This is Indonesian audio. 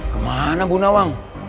kemana bu nawang